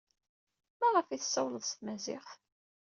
Maɣef ay tessawaled s tmaziɣt?